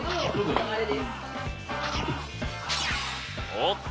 おっと？